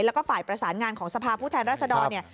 แล้วก็ฝ่ายประสานงานของสภาพผู้แทนรัศดรเนี่ย